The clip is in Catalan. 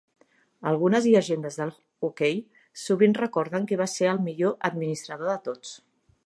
Algunes llegendes del hoquei sovint recorden que va ser el millor administrador de tots.